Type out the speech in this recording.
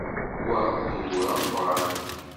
Wa d ugur ameqqran!